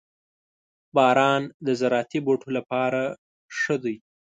• باران د زراعتي بوټو لپاره ښه دی.